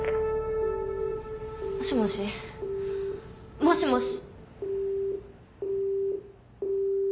もしもし？もしもし。